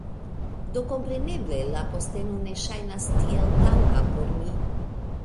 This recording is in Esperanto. Do kompreneble, la posteno ne ŝajnas tiel taŭga por mi.